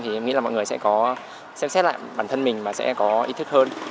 thì em nghĩ là mọi người sẽ có xem xét lại bản thân mình và sẽ có ý thức hơn